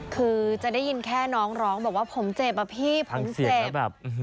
คือจะได้ยินแค่น้องร้องบอกว่าผมเจ็บอะพี่ผมเจ็บ